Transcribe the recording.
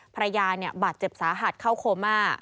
ภรรยาบาดเจ็บสาหัสเข้าโคม่า